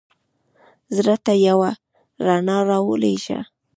زړه ته یوه رڼا را ولېږه.